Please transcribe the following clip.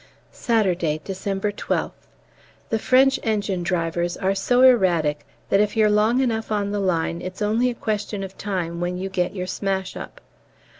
Saturday, December 12th. The French engine drivers are so erratic that if you're long enough on the line it's only a question of time when you get your smash up.